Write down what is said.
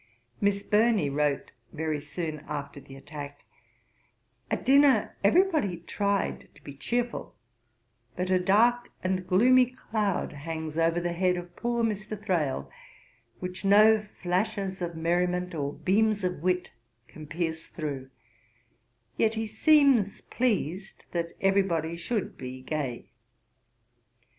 Ib. p. 54. Miss Burney wrote very soon after the attack: 'At dinner everybody tried to be cheerful, but a dark and gloomy cloud hangs over the head of poor Mr. Thrale which no flashes of merriment or beams of wit can pierce through; yet he seems pleased that everybody should be gay.'